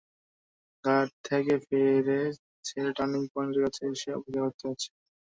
ঘাট থেকে ফেরি ছেড়ে টার্নিং পয়েন্টের কাছে এসে অপেক্ষা করতে হচ্ছে।